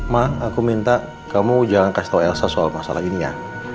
ma aku minta kamu jangan kasih tahu elsa soal masalah ini ya